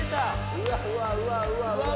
うわうわうわうわ！